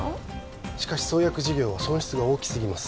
しかし創薬事業は損失が大きすぎます